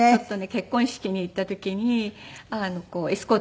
結婚式に行った時にエスコートしてくれて。